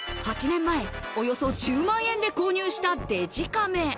８年前、およそ１０万円で購入したデジカメ。